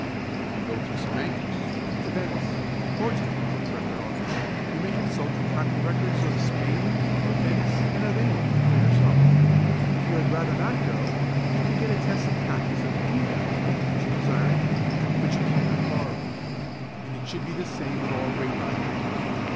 If you go to Simancas, to Venice, or to the Public Record Office, you may consult and copy the records of Spain, of Venice, and of England, for yourself. If you had rather not go, you can get attested copies of any document which you desire to have, but you cannot borrow. And it should be the same with all great libraries.